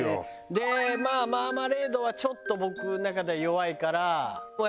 でまあマーマレードはちょっと僕の中では弱いから。